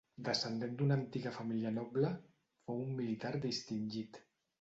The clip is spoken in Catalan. Descendent d'una antiga família noble, fou un militar distingit.